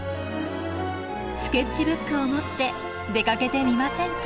スケッチブックを持って出かけてみませんか？